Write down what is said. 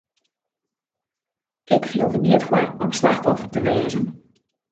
Ik fiel der neat foar om slachtoffer te wêze.